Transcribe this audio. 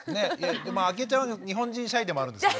あきえちゃんは日本人シャイでもあるんですけど。